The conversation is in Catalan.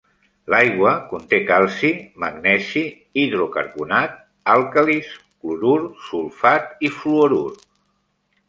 L'aigua conté calci, magnesi, hidrocarbonat, àlcalis, clorur, sulfat i fluorur.